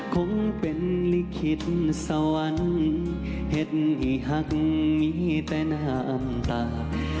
คงเป็นลิขิตสวรรค์เห็นอีกหักมีแต่น้ำตา